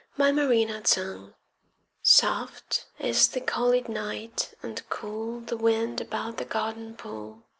FOUNTAINS Soft is the collied night, and cool The wind about the garden pool.